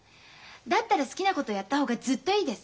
だったら好きなことやった方がずっといいです。